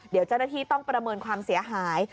เดี๋ยวเจ้าหน้าที่ต้องประเมินความเสียหาย